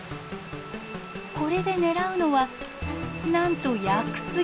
これで狙うのはなんと屋久杉。